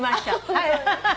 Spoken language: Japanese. はい。